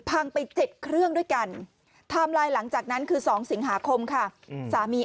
พังไปเจ็ดเครื่องด้วยกันหลังจากนั้นคือ๒สิงหาคมค่ะสามี